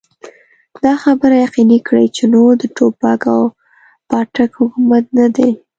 دا خبره يقيني کړي چې نور د ټوپک او پاټک حکومت نه دی.